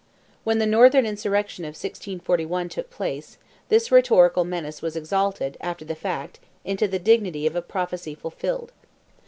When the northern insurrection of 1641 took place, this rhetorical menace was exalted, after the fact, into the dignity of a prophecy fulfilled.